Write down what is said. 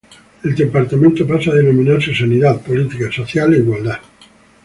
El Departamento pasa a denominarse Sanidad, Política Social e Igualdad.